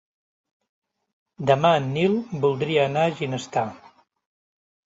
Demà en Nil voldria anar a Ginestar.